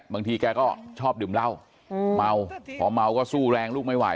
บางทีแกก็ชอบดื่มเหล้าเมาพอเมาก็สู้แรงลูกไม่ไหว